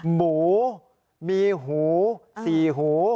หมูมีหูสี่หู